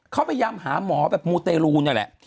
เขาพยายามหาหมอแบบมูเตรลูนี่แหละ